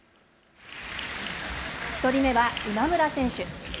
１人目は今村選手。